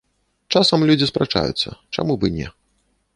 Часам людзі спрачаюцца, чаму б і не.